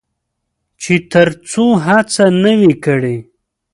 چې تر څو هڅه نه وي کړې.